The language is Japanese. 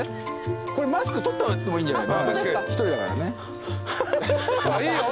これマスク取っちゃってもいいんじゃない？いいよ。